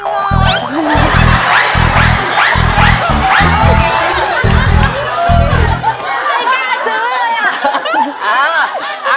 ไม่กล้าซื้อเลยอ่ะ